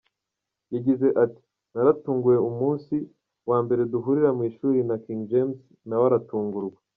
Yagize ati :”Naratunguwe umunsi wa mbere duhurira mu ishuri na King James, nawe aratungurwa”.